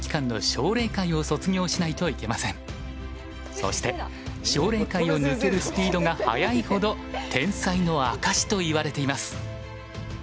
そして奨励会を抜けるスピードが速いほど天才の証しといわれています。